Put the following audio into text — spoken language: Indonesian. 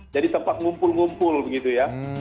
jadi tempat ngumpul ngumpul gitu ya